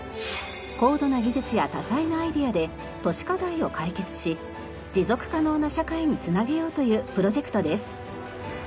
高度な技術や多彩なアイデアで都市課題を解決し持続可能な社会につなげようというプロジェクトです。